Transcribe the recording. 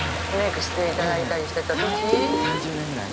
３０年ぐらい前。